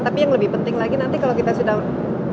tapi yang lebih penting lagi nanti kalau kita sudah